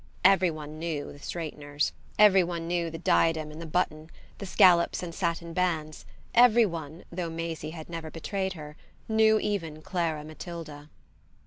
Every one knew the straighteners; every one knew the diadem and the button, the scallops and satin bands; every one, though Maisie had never betrayed her, knew even Clara Matilda.